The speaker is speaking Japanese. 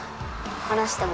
離しても。